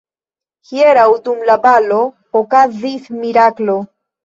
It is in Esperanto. Hieraŭ dum la balo okazis miraklo.